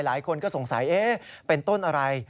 หลายคนก็สงสัยเป็นต้นอะไร